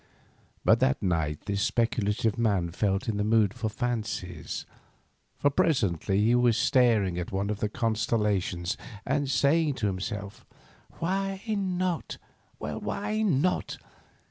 But that night this speculative man felt in the mood for fancies, for presently he was staring at one of the constellations, and saying to himself, "Why not? Well, why not?